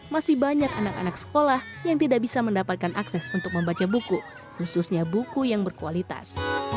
masih banyak anak anak sekolah yang tidak bisa mendapatkan akses untuk membaca buku khususnya buku yang berkualitas